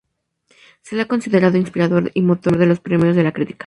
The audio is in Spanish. Se le ha considerado inspirador y motor de los Premios de la Crítica.